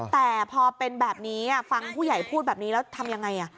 แต่พอเป็นแบบนี้ฟังผู้ใหญ่พูดแบบนี้แล้วทำยังไง